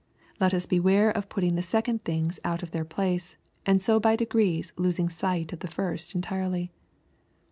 Let us beware of put ) second things out of their place, and so bj losing sight of the first entirely.